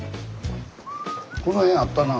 この辺あったなあ。